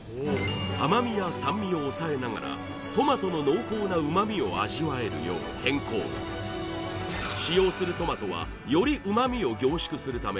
甘みや酸味を抑えながらトマトの濃厚な旨味を味わえるよう変更使用するトマトはより旨味を凝縮するため